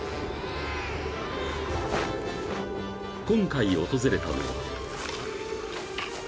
［今回訪れたのは］